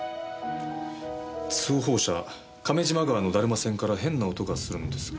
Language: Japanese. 「通報者亀島川のだるま船から変な音がするんですが」